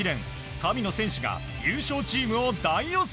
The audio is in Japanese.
神野選手が優勝チームを大予想！